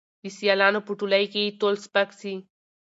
د سیالانو په ټولۍ کي یې تول سپک سي